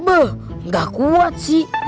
nggak kuat sih